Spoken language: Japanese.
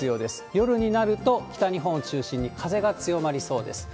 夜になると、北日本を中心に風が強まりそうです。